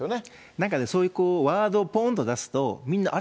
なんかね、そういうワードをぽーんと出すと、みんなあれ？